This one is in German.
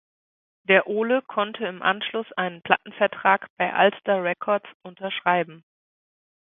Der Ole konnte im Anschluss einen Plattenvertrag bei Alster Records unterschreiben.